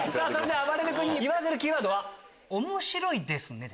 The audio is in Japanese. あばれる君に言わせるキーワードは「面白いですね」。